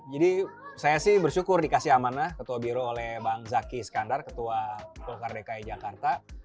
jadi saya sih bersyukur dikasih amanah ketua biro oleh bang zaky skandar ketua golkar dki jakarta